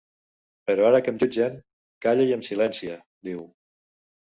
Però ara que em jutgen, calla i em silencia, diu.